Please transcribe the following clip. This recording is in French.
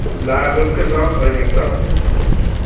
La représente un exemple.